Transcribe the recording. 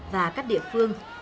và các địa phương